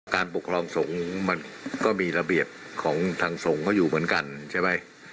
การปกครองสงฆ์มันก็มีระเบียบของทางสงฆ์เขาอยู่เหมือนกันใช่ไหม